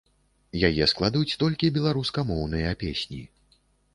Яе складуць толькі беларускамоўныя песні.